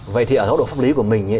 vậy thì ở độ pháp lý của mình